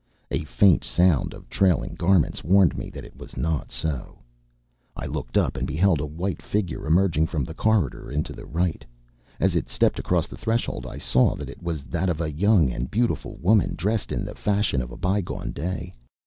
A faint sound of trailing garments warned me that it was not so. I looked up, and beheld a white figure emerging from the corridor into the right. As it stepped across the threshold I saw that it was that of a young and beautiful woman dressed in the fashion of a bygone day.